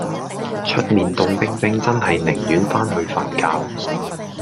出面涷冰冰真係寧願返去瞓覺